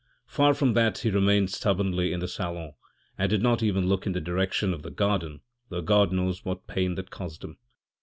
Far from that he remained stubbornly in the salon and did not even look in the direction of the garden, though God knows what pain that caused him